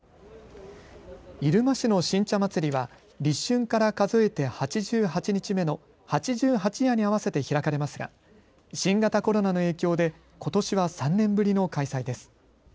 入間市の新茶まつりは立春から数えて８８日目の八十八夜に合わせて開かれますが新型コロナの影響でことしは３年ぶりの開催です。